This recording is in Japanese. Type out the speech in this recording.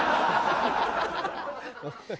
ハハハハ！